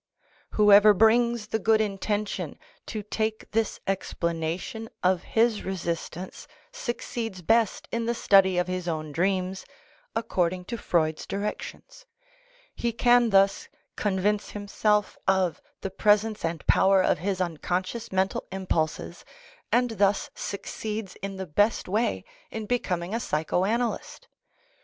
Whoever brings the good intention to take this explanation of his resistance succeeds best in the study of his own dreams according to Freud's directions; he can thus convince himself of the presence and power of his unconscious mental impulses and thus succeeds in the best way in becoming a psycho analyst.